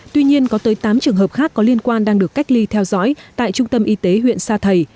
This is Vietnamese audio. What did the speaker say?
tuy nhiên có tới tám trường hợp khác có liên quan đang được cách ly theo dõi tại trung tâm y tế huyện sa thầy